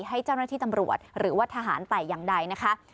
ให้เจ้าหน้าที่ตำรวจหรือว่าทหารแต่อย่างใดนะคะ